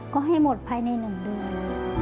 ก็ให้หมดภายใน๑เดือน